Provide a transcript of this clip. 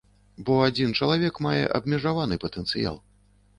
Бо адзін чалавек мае абмежаваны патэнцыял.